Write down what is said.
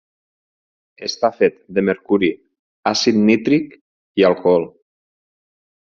Està fet de mercuri, àcid nítric i alcohol.